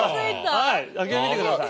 はい開けてみてください。